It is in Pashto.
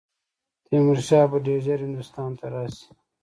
تیمور شاه به ډېر ژر هندوستان ته راشي.